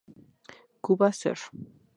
Cuba, Ser.